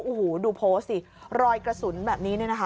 โอ้โหดูโพสต์สิรอยกระสุนแบบนี้เนี่ยนะคะ